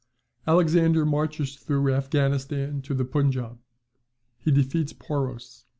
Alexander marches through, Affghanistan to the Punjaub. He defeats Porus.